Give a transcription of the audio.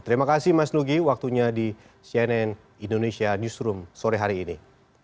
terima kasih mas nugi waktunya di cnn indonesia newsroom sore hari ini